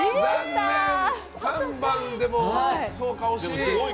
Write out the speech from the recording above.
残念、３番でも、そうか惜しい。